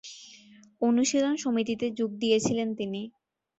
অনুশীলন সমিতিতে যোগ দিয়েছিলেন তিনি।